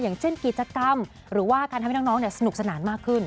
อย่างเช่นกิจกรรมหรือว่าการทำให้น้องสนุกสนานมากขึ้น